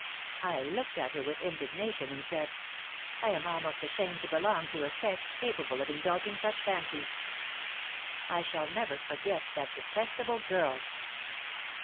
I looked at her with indignation, and said, 'I am almost ashamed to belong to a sex capable of indulging such fancies! I shall never forget that detestable girl.'"